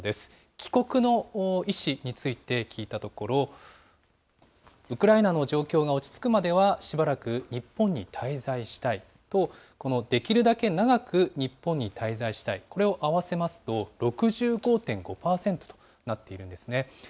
帰国の意思について聞いたところ、ウクライナの状況が落ち着くまではしばらく日本に滞在したいと、このできるだけ長く日本に滞在したい、これを合わせますと、６５．５％となっているんですね。